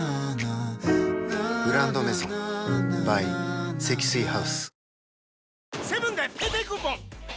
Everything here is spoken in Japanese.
「グランドメゾン」ｂｙ 積水ハウス